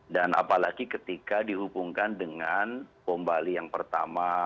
dan apalagi ketika dihubungkan dengan bom bali yang pertama